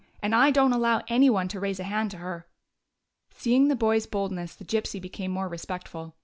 And I don't allow any one to raise a hand to her." Seeing the boy's boldness, the Gypsy became more respectful.